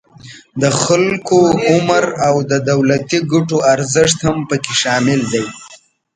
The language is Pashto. د خلکو عمر او د دولتی ګټو ارزښت هم پکې شامل دي